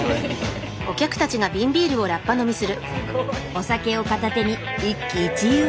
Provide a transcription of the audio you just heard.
お酒を片手に一喜一憂。